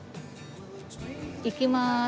いきまーす。